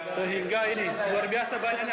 sehingga ini luar biasa banyaknya